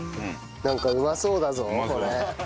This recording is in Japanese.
なんかうまそうだぞこれ。